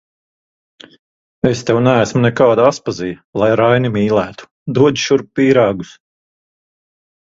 Es tev neesmu nekāda Aspazija, lai Raini mīlētu, dod šurp pīrāgus!